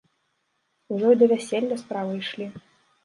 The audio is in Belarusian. Ужо і да вяселля справы ішлі.